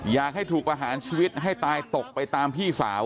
อยากให้ถูกประหารชีวิตให้ตายตกไปตามพี่สาว